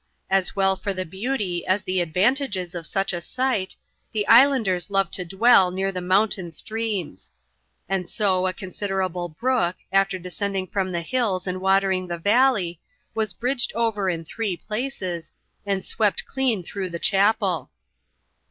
As well for the beauty as the advantages of such a site, the islanders love to dwell near the mountain streams ; and so, a considerable brook, after descending from the hills and watering the valley, was bridged over in three places, and swept clean through the chapel.